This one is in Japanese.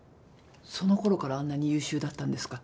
その頃からあんなに優秀だったんですか？